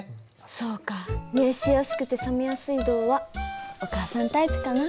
そうか熱しやすくて冷めやすい銅はお母さんタイプかな。